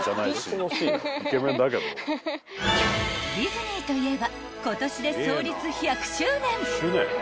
［ディズニーといえば今年で創立１００周年］